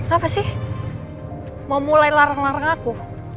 apa sih mau mulai larang larang aku